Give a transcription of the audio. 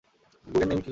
Guggenheim কী বলে?